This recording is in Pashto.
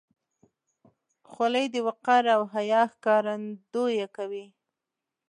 خولۍ د وقار او حیا ښکارندویي کوي.